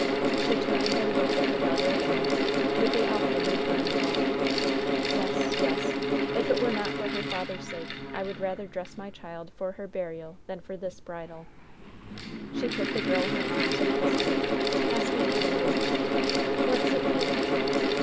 She turned and looked at her daughter again, with the often recurring thought: "Yes, yes, if it were not for her father's sake, I would rather dress my child for her burial than for this bridal." She took the girl in her arms and kissed her, asking tenderly: "What is it, dear?"